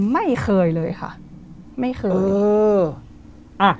ไม่เคยเลยค่ะไม่เคยเออ